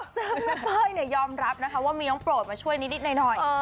ซึ่งเป้ยเนี่ยยอมรับนะคะว่ามีน้องโปรดมาช่วยนิดนิดหน่อยหน่อยเออ